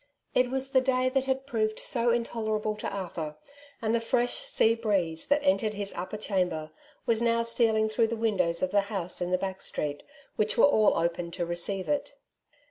It was the day that had proved so in tolerable to Arthur, and the fresh sea breeze that entered his upper chamber was now stealing through the windows of the house in the back street, which were all open to receive it.